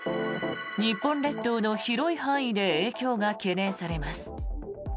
日本列島の広い範囲で影響が懸念されます。